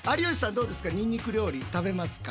どうですかニンニク料理食べますか？